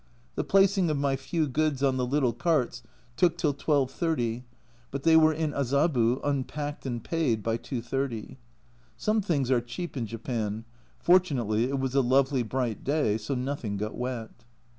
The placing of my few goods on the little carts took till 12.30, but they were in Azabu, unpacked and paid, by 2.30. Some things are cheap in Japan. Fortunately it was a lovely bright day, so nothing got wet.